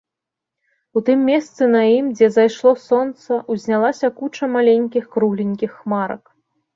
У тым месцы на ім, дзе зайшло сонца, узнялася куча маленькіх кругленькіх хмарак.